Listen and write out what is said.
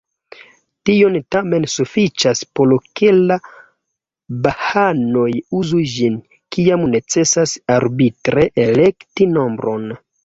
Tio tamen sufiĉas por ke la bahaanoj uzu ĝin, kiam necesas arbitre elekti nombron.